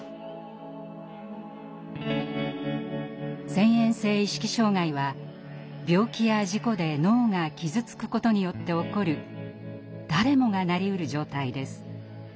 遷延性意識障害は病気や事故で脳が傷つくことによって起こる誰もがなりうる状態です。